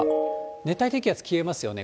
熱帯低気圧、消えますよね。